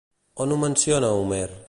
On ho menciona, Homer?